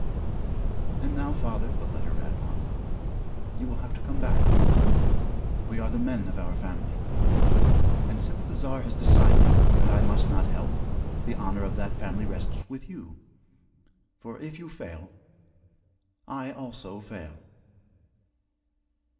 'And now, father,' the letter ran on, 'you will have to come back. We are the men of our family. And, since the Tsar has decided that I must not help, the honor of that family rests with you. For, if you fail, I also fail.'